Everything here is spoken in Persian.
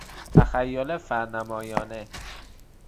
تخیل فرنمایانه